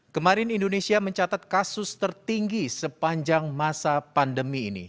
kemarin indonesia mencatat kasus tertinggi sepanjang masa pandemi ini